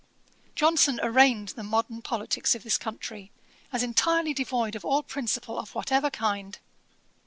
Johnson arraigned the modern politicks of this country, as entirely devoid of all principle of whatever kind.